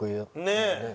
ねえ。